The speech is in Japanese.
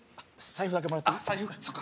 財布だけもらっていい？